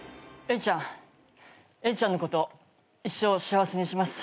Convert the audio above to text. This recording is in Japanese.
エリちゃんのこと一生幸せにします。